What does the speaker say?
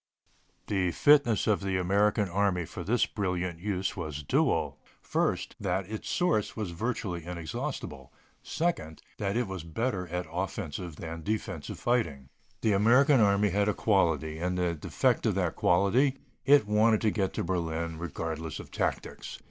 The fitness of the American Army for this brilliant use was dual: first, that its source was virtually inexhaustible; second, that it was better at offensive than defensive fighting. The American Army had a quality, and the defect of that quality: it wanted to get to Berlin regardless of tactics.